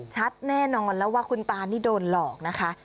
ชัดแน่นอนว่าคุณตานี่โดนหลอกนะคะ